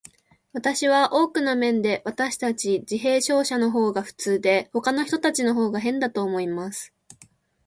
私は、多くの面で、私たち自閉症者のほうが普通で、ほかの人たちのほうが変だと思います。